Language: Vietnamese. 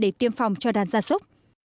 để tiêm phòng cho đàn ra súc